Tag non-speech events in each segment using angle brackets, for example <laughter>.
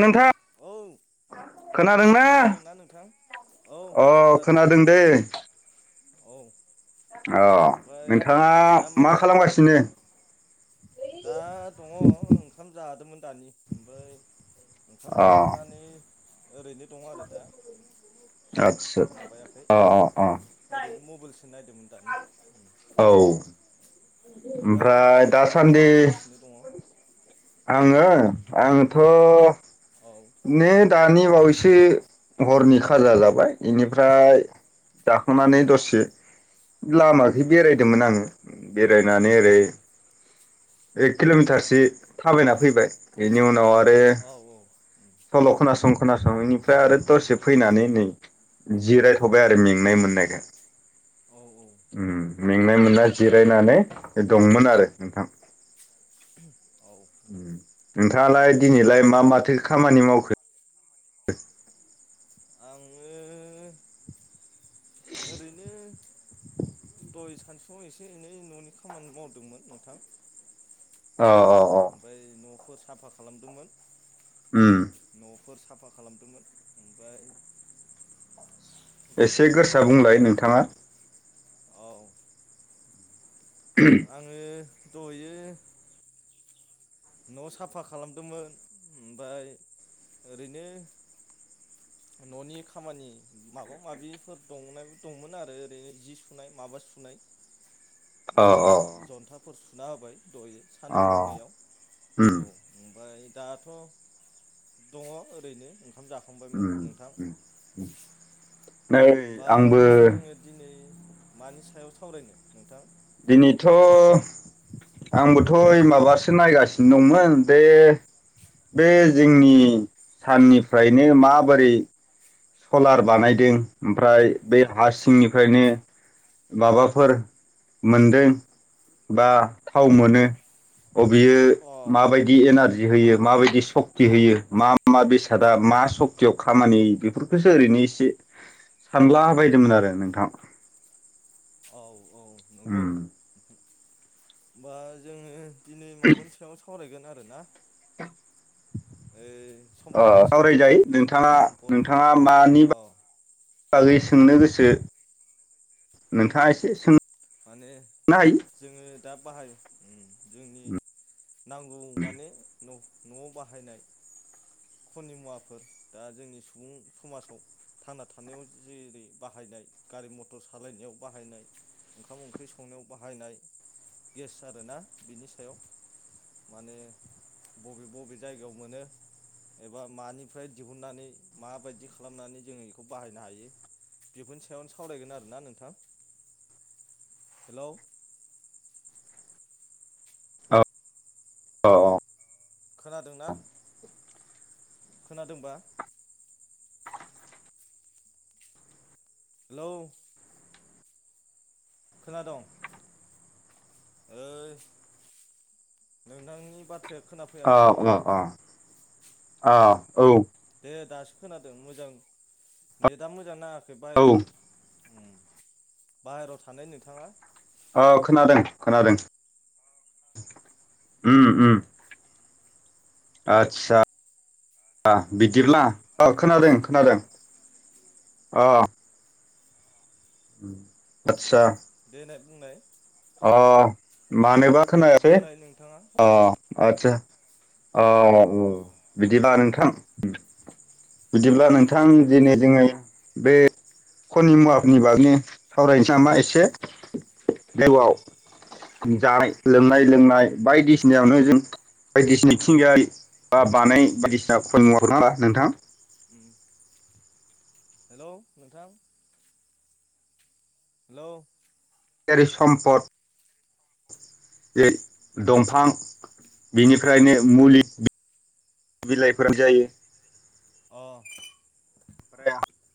नोंथां औ खोनादोंना अ खोनादों दे <inaudible> अ ओमफ्राय नोंथांङा दा मा खालाम खालामगासिनो दा दङ' ओंखाम जादोंमोन दानि ओमफ्राय ओंखाम अ जाखांनानै ओरैनो दङ' आरो दा जेबो आदसा माबायाखै अ अ अ ओरैनो मबाइलसो नायदोंमोन दानि औ ओमफाय ओमफ्राय नोंथाङा मा दासान्दि खालामगासिनो दङ'? आङो आंथ' नै दानि बावैसो हरनि खाजा जाबाय इनिफ्राय जाखांननानै दसे लामाखै बेरायदोंमोन आङो बेरायनानै ओरै एक किल'मिटारसो थाबायना फैबाय बेनि उनाव आरो औ उम सल' खोनासं खोनासं बेनिफ्राय आरो दरसे फैनानै नै जिरायथ'बाय आरो मेंनाय मोननायखाय औ ओम उम मेंनाय मोननाय जिरायनानै दंमोन आरो नोंथां औ नोंथाङालाय दिनैलाय होमबा मा माथो खामानि मावखो? आङो दय सानसुआव एसे एनै न'नि खामानि मावदोंमोन नोंथां औ औ ओमफाय न'फोर साफा खालामदोंमोन ओम फोर साफा खालामदोंमोन ओमफ्राय एसे गोरसा ओरैनो बुंलाय नोंथाङा औ आङो दहयो न' साफा खालामदोंमोन ओमफाय ओरैनो <inaudible> न'नि खामानि माबा माबिफोर दंमो दंमोन आरो ओरैनो जि सुनाय माबा सुनाय अ ओमफाय अ जन्थाफोर सुना होबाय दहय सान्दुं दुंनायाव ओम औ ओमफ्राय दाथ' दङ ओरैनो ओंखाम जाखांबायमोन उम नोंथां उम नै होमबा आंबो दा जोङो दिनै मानि सायाव सावरायनो नोंथां? दिनैथ' आंबोथ' ओइ माबासो नायगासिनो दंमोन दे बे जोंनि साननिफ्रायनो माबोरै सलार बानायदों ओमफ्राय बै हासिंनिफ्रायनो माबाफोर मोनदों बा थाव मोनो अबेयो अ माबायदि एनारजि होयो माबायदि सक्ति होयो मा मा बेसादा मा सक्तियाव खामानि बेफोरखौसो ओरैनो इसे सानला बायदोंमोन आरो नोंथां औ औ नंगौ ओम होमबा जोङो दिनै माबानि सायाव सावरायगोन आरो ना ओ सावरायजायो नोंथाङा मिथिंगायारि सम्पद नोंथाङा मानि औ बागै सोंनो गोसो उम नोंथाङा एसे सों माने जोङो दा बाहाय जोंनि नांगौ माने न'आव बाहायनाय खरनि मुवाफोर दा जोंनि सुबुं समाजाव थांना थानायाव जेरै बाहाय नाय गारि मथर सालायनायाव बाहायनाय ओंखाम ओंख्रि संनायाव बाहायनाय गेस आरोना बिनि सायाव माने बबे बबे जायगायाव मोनो एबा मानिफ्राय दिहुननानै माबायदि खालामनानै जोङो बेखौ बाहायनो हायो बिफोरनि सायावनो सावरायगोन आरोना नोंथां हेल' औ औ औ खोनादोंना खोनादोंबा हेल' खोनादोंं ओइ नोंथांनि बाथ्राया औ खोनाफैयाखै औ आंनाव अ औ औ दे दासो खोनादों मोजां नेटआ मोजां नाङाखै औ बायेराव बाहेरायाव थानाय नोंथाङा औ खोनादों खोनादों अ आदसा बिदिब्ला खोनादों औ खोनादों औ आतसा देनाय बुंनाय अ मानोबा खोनायासै बुंनाय नोंथाङा अ आदसा औ औ अ बिदिब्ला नोंथां बिदिब्ला नोंथां नोंथाङा दिनै जोङो बे खनि मुवाफोरनि बागैनो सावरायनोसै नामा एसे देवआव जानाय लोमनाय लोंनाय बायदिसिनायावनो जों बायदिसिना मिथिगायारि बा औ बानाय बायदिसिना खनि महर ना नोंथां हेलौ नोंथां हेल' जेरै सम्पद दंफां बिनिफ्रायनो मुलि बिलाइफोर जायो <unintelligible> <unintelligible>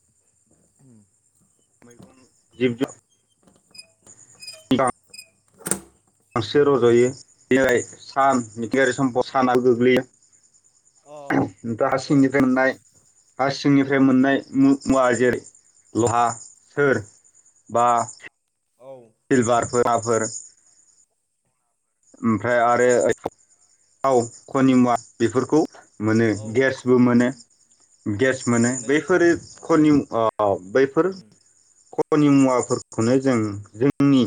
मैगं <inaudible> जिब जुनार <unintelligible> बांसो रज'यो जाय सान मिथिंगारि समफ्राव साना गोग्लैयो अ हा दे सिंनि मोननाय हासिंनिफ्राय मोननाय मुवा जेरै हा सोर बा औ <unintelligible> फोराफोर ओमफ्राय आरो थाव खनिमुवा बेफोरखौ मोनो औ गेसबो उम मोनो गेस मोनो मोननाय जायो बैफोरो अ खनिउ बैफोर उम खनि मुवाफोरखौनो जों जोंनि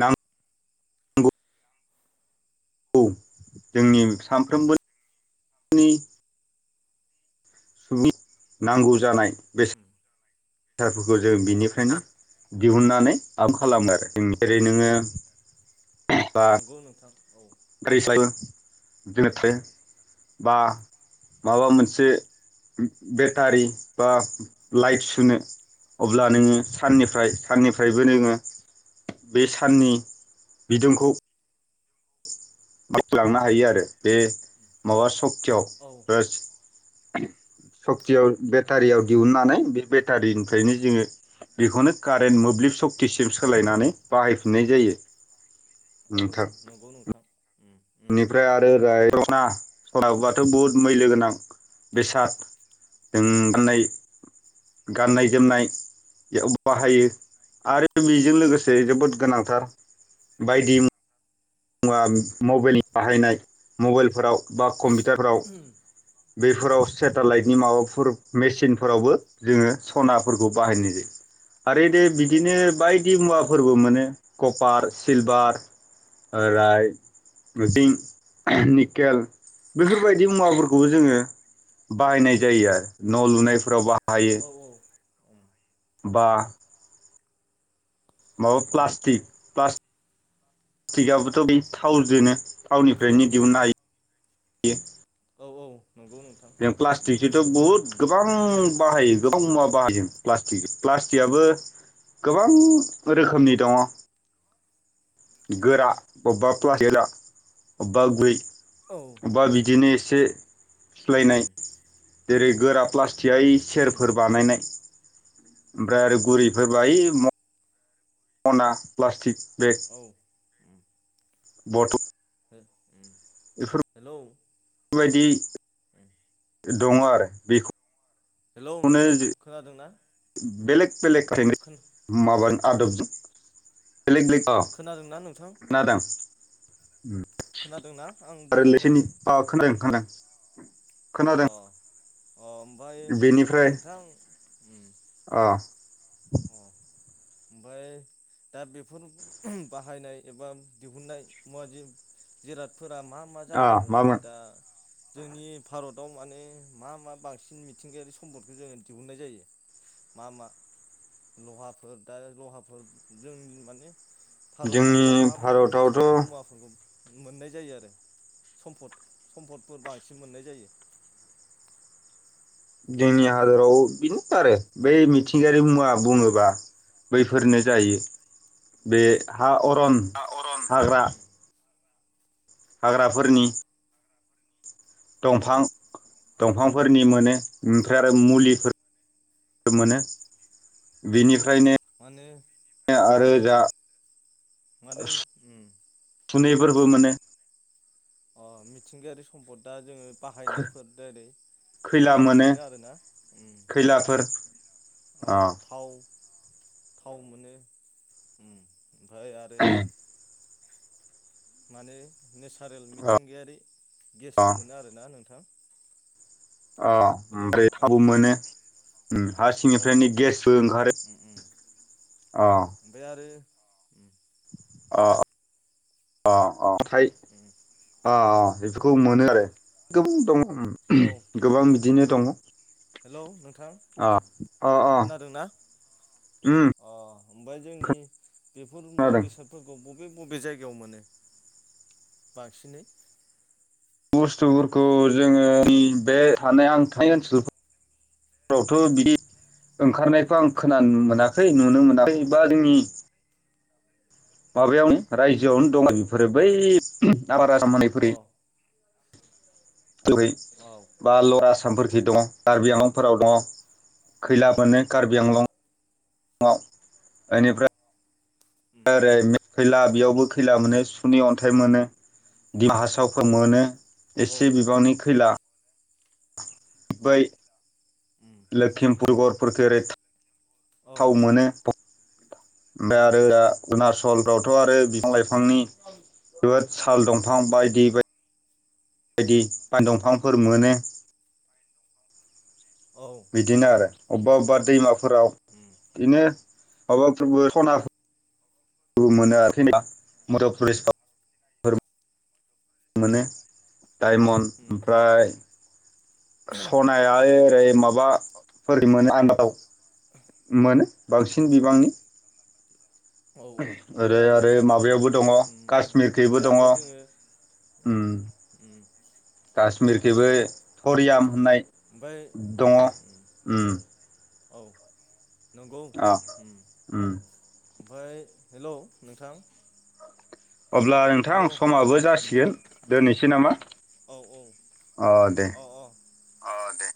नां औ जोंनि सानफ्रोमबो सुबुं नांगौ जानाय उम बेसादफोरखौ जों बिनिफ्रायनो दिहुननानै आम खालामो आरो जोंनि जेरै औ नोङो बा नंगौ नोंथां औ गारि सायो जोनो उम थायो बा माबा मोनसे बेटारि बा लाइट सुनो अब्ला नोङो साननिफ्राय साननिफ्रायबो नोङो बे साननि बिदुंखौ <unintelligible> लांनो हायो आरो बे उम माबा सक्कियाव औ <inaudible> सक्तियाव बेटारियाव दिहुननानै बे बेटारिनिफ्रायनो जोङो बेखौनो कारेन्ट मोब्लिब फ्लिप सक्तिसिम सोलायनानै बाहायफिननाय जायो औ नोंथां <unintelligible> नंगौ नोंथां उम बेनिफ्राय आरो ओरै सना सनाबाथ' बुहुत मैलो गोनां बेसाद जों गाननाय गाननाय जोमनाय बाहायो आरो बेजों लोगोसे जोबोद गोनांथार बायदि मुवा बाहायनाय मबाइलफोराव बा कम्पिउटारफोराव बे फोराव सेटेलाइटनि माबाफोर मेचेनफोरावबो जोङो सनाफोरखौ बाहायनाय जायो आरो <unintelligible> औ बिदिनो औ नंगौ बायदि नोंथां मुवाफोरबो मोनो कपार सिलभार <unintelligible> दिं निकेल बेफोरबायदि मुवाफोरखौबो जोङो बाहायनाय जायो आरो न' लुनायफोराव बाहायो औ औ उम बा माबा प्लासटिक प्लास उम प्लास्टिकाबोथ' बे थावजोंनो थावनिफ्रायनो दिहुननो हायो औ औ नंगौ नोंथां उम प्लासटिकखोथ' बहुत गोबां बाहायो गोबां मुवा बाहायो प्लास्टिक प्लास्टिकआबो गोबां रोखोमनि दङ गोरा अबेबा <unintelligible> अबेबा गुरै औ अबेबा बिदिनो एस एसे फिलायनाय जेरै गोरा प्लास्टिका उम सेरफोर बानायनाय ओमफ्राय आरो गुरिफोर बा औ उम <unintelligible> <unintelligible> प्लास्टिक बेग हो बथ' उम बेफोर हेलौ उम बेबायदि दङ आरो बेखौ हेलौ खौनो नोंथां खोनादोंना बेलेक बेलेक खानो खोन माबाजों आदबजों बेलेग बेलेग अ खोनादोंना नोंथां खोनादो आं खोनादोंना आं आरो <unintelligible> बुंनायखौ खोनादों खोनादों अ खोनादों अ ओमफ्राय बेनिफ्राय नोंथां अ <inaudible> ओमफ्राय दा बेफोर बाहायनाय एबा दिहुननाय मुवा जेराद फोरा मा-मा अ जानो हागौ माने मामोन दा जोंनि भारताव माने मा मा बांसिन मिथिंगायारि सम्पदखौ जोङो दिहुननाय जायो मा मा लहाफोर दा लहाफोर जोंनि माने भारत जोंनि हादराव मा मा मिथिंगायारि भारतावथ' मुवाफोरखौ मोननाय जायो आरो सम्फद सम्फदफोर बांसिन मोननाय जायो <inaudible> जोंनि हादराव बेनो आरो बै मिथिंगायारि मुवा बुङोबा बैफोरनो जायो बे हा अरन आ अरन हाग्रा हाग्राफोरनि औ दंफां दंफांफोरनि औ मोनो ओमफ्राय आरो मुलिफोर मोनो बेनि जा <inaudible> सुनैफोरबो मोनो अ मिथिंगायारि सम्पद दा जोङो बाहायनायफोर जेरै खैलाबो मोनो आरोना अ औ थाव थाव मोनो ओमफ्राय आरो अ माने नेसारेल मिथिंगायारि अ गेसबो मोनो आरोना नोंथां औ हेलौ ओमफ्राय उम थावबो मोनो हा औ सिंनिफ्रायनो उम गेसबो ओंखारो उम अ उ अ अ ओमफाय उम अ खौ औ मोनो आरो गोबां दङ औ गोबां बिदिनो दङ हेलौ नोंथां अ अ अ खोनादों ना उम अ ओमफ्राय जोंनि बेफोर मुवा खोनादों बेसादफोरखौे बबे‌ बबे जायगायाव मोनो बांसिनै बुस्थुफोरखौ जोङो बे थानाय आं थानाय ओनसोल आवथ' बिदि ओंखारनायखौ आं खोनानो मोनाखै नुनो मोनाखै बा जोंनि माबायावनो रायजोआवनो दं बेफोरो बै आबाद आ मानिफोर अ जहै औ बा लवार आसामफोरखि दं कार्बि आंंलंफोराव दङ खैला उम मोनो कार्बि आंलंंआव अ बेनिफ्राय उम उम ओरै खैला बेयावबो खैला मोनो सुनि अन्थाइ मोनो दिमा हासावफोर मोनो औ एसे बिबांनि खैला बै उम लखिमपुर गरपुरखेरत औ गोथाव मोनो ओमफ्राय आरो उम अरुणचलफ्रावथ' आरो बिफां लाइफांनि साल दंफां बायदि बायदि बायदि बान् दंफांफोर मोनो औ बिदिनो आरो अबेबा उम अबेबा उम दैमाफोराव उम बिदिनो माबाफोरबो सना दु मोनो आरोख मद औ पुलिसाव फोर मोनो डायमन् उम ओमफ्राय सनाया ओरै माबाफोरमोन आनबालाव मोनो बांसिन बिबांनि औ ओमफ्राय ओरै आरो माबायावबो दङ उम काास्मिरखैबो ओमफ्राय दङ आरो जोङो उम उम कशमिरखबो उम अरियाम होननाय ओमफ्राय दङ औ नंगौ औ ओमफफ्राय हेलौ नोंथां अब्ला नोंथां हेलौ समाबो नोंथां जासिगोन दोननोसै नामा औ औ दे अ अ औ दे